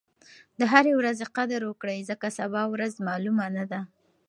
د هرې ورځې قدر وکړئ ځکه سبا ورځ معلومه نه ده.